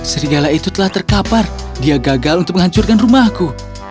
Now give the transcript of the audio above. serigala itu telah terkapar dia gagal untuk menghancurkan rumahku